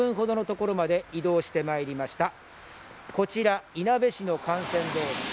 こちら、いなべ市の幹線道路。